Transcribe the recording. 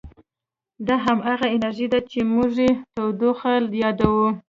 دا همغه انرژي ده چې موږ یې تودوخه یادوو.